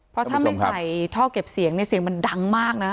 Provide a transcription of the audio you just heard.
เพราะถ้าไม่ใส่ท่อเก็บเสียงเนี่ยเสียงมันดังมากนะ